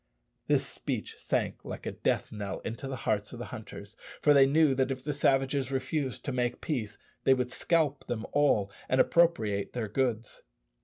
This speech sank like a death knell into the hearts of the hunters, for they knew that if the savages refused to make peace, they would scalp them all and appropriate their goods.